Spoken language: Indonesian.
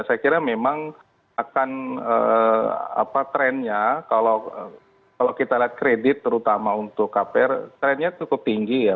saya kira memang akan trendnya kalau kita lihat kredit terutama untuk kpr trennya cukup tinggi ya